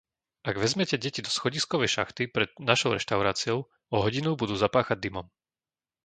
Ak vezmete deti do schodiskovej šachty pred našou reštauráciou, o hodinu budú zapáchať dymom.